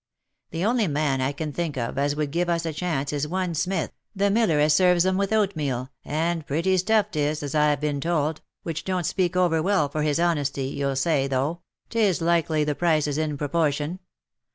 The only man I can think of as would give us a chance is one Smith, the miller as serves 'em with oatmeal, and pretty stuff 'tis, as I've been told, which don't speak over well for his honesty, you'll say, though, 'tis likely the price is in proportion.